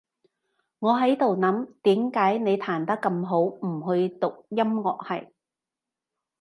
我喺度諗，點解你彈得咁好，唔去讀音樂系？